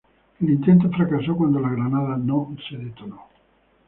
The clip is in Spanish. El intento fracasó cuando la granada no detonó.